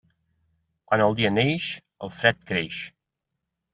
Quan el dia neix, el fred creix.